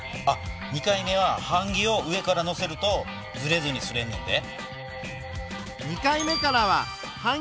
２回目は版木を上からのせるとずれずに刷れんねんで。